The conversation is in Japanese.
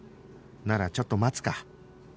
ならちょっと待つか